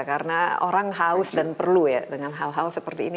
karena orang haus dan perlu ya dengan hal hal seperti ini